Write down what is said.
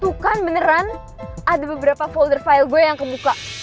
tuh kan beneran ada beberapa folder file gue yang kebuka